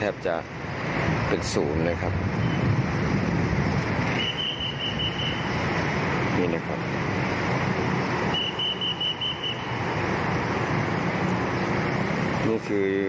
ในสถานบิลนี่คือ